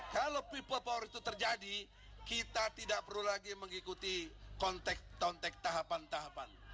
kalau people power itu terjadi kita tidak perlu lagi mengikuti konteks tahapan tahapan